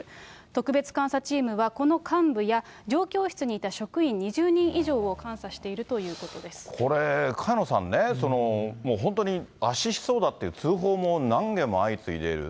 特別監査チームは、この幹部や状況室にいた職員２０人以上を監査しているということこれ、萱野さんね、もう本当に圧死しそうだっていう通報も何件も相次いでいる。